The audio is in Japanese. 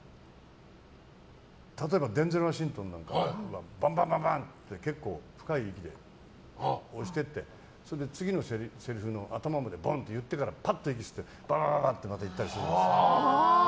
例えばデンゼル・ワシントンなんかバンバンって結構深く押してって次のせりふの頭までボンと言ってからぱっと息を吸ってばばばってまた言ったりするんですよ。